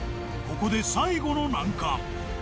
ここで最後の難関。